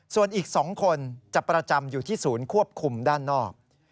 ส่วนอีก๒คนจะประจำอยู่ที่ศูนย์ควบคุมด้านนอก